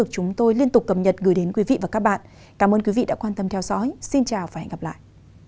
cảm ơn quý vị đã quan tâm theo dõi xin chào và hẹn gặp lại